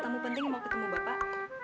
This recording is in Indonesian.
ada tamu penting yang mau ketemu bapak